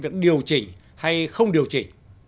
được điều chỉ hay không điều chỉ